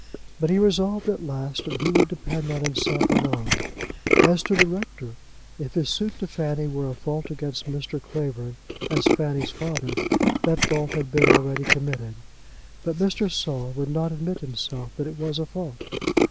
But he resolved at last that he would depend on himself alone. As to the rector, if his suit to Fanny were a fault against Mr. Clavering as Fanny's father, that fault had been already committed. But Mr. Saul would not admit to himself that it was a fault.